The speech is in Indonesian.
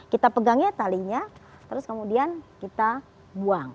kita pegangnya talinya terus kemudian kita buang